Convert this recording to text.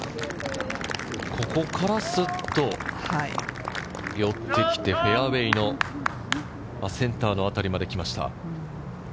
ここからスッと寄ってきて、フェアウエーのセンターのあたりまで来ました。